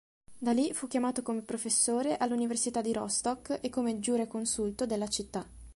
Da lì fu chiamato come professore all'Università di Rostock e come giureconsulto della città.